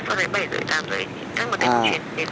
các một đêm đến tối anh ạ